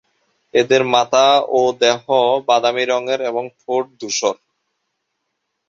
এদের মাথা ও দেহ বাদামী রঙের এবং ঠোঁট ধূসর।